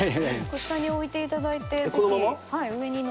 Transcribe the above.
下に置いていただいてぜひ上に乗ってください。